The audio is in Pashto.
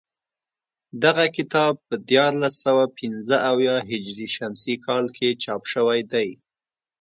دغه کتاب په دیارلس سوه پنځه اویا هجري شمسي کال کې چاپ شوی دی